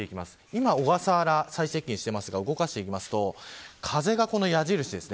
今、小笠原に最接近していますが動かしていきますと風が、この矢印です。